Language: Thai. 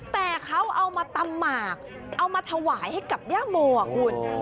แต่เขาเอามาตำหมากเอามาถวายให้กับย่าโมอ่ะคุณ